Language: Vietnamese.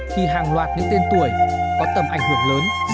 khi hàng loạt những tên tuổi có tầm ảnh hưởng lớn ra đi